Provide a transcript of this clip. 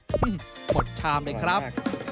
หมดชามเลยครับ